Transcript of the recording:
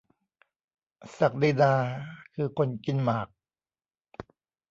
ศักดินาคือคนกินหมาก ?